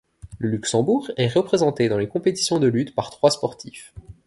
Le Luxembourg est représenté dans les compétitions de lutte par trois sportifs.